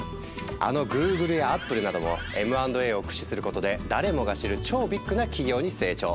あのＧｏｏｇｌｅやＡｐｐｌｅなどもＭ＆Ａを駆使することで誰もが知る超ビッグな企業に成長。